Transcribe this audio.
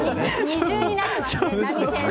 二重になっていますね波線。